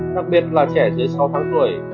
đặc biệt là trẻ dưới sáu tháng